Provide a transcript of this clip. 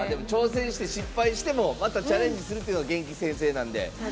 挑戦して失敗してもまた、チャレンジするというのが元気先生なんで。